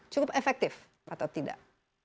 cukup efektif atau tidak